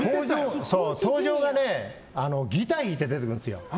登場がね、ギター弾いて出てくるんですよ。